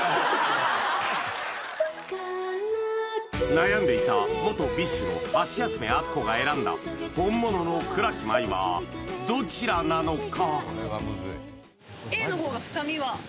悩んでいた元ＢｉＳＨのハシヤスメ・アツコが選んだ本物の倉木麻衣はどちらなのか？